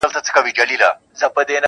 • انسان وجدان سره مخ دی تل..